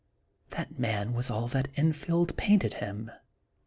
That man was all that Enfield painted him.